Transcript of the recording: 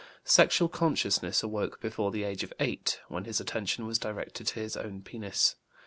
Sexual consciousness awoke before the age of 8, when his attention was directed to his own penis.